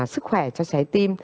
sức khỏe cho trái tim